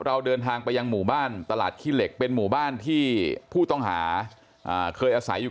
เราเดินทางไปยังหมู่บ้านตลาดขี้เหล็กเป็นหมู่บ้านที่ผู้ต้องหาเคยอาศัยอยู่